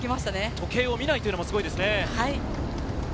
時計を見ないというのもすごいですね。